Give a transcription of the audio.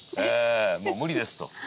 「もう無理です」と。